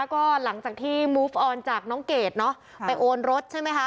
ก็หลังจากที่มูฟออนจากน้องเกดเนาะไปโอนรถใช่ไหมคะ